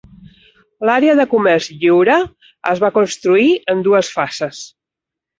L'àrea de comerç lliure es va construir en dues fases.